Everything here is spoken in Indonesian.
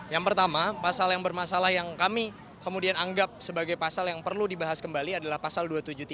yang pertama pasal yang bermasalah yang kami kemudian anggap sebagai pasal yang perlu dibahas kembali adalah pasal dua ratus tujuh puluh tiga